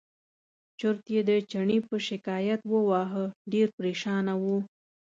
چورت یې د چڼي په شکایت وواهه ډېر پرېشانه و.